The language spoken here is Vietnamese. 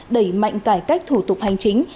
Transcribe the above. đẩy mạnh cải cách thủ tục hành chính